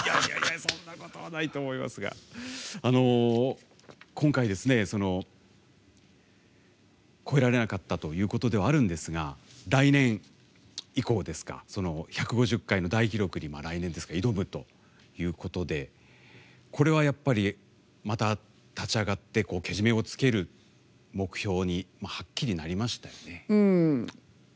そんなことないと思いますが今回、超えられなかったということではあるんですが来年以降、１５０回の大記録に来年、挑むということでこれは、また立ち上がってけじめをつける目標にはっきりなりましたよね。